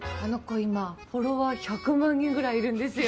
今フォロワー１００万人ぐらいいるんですよ。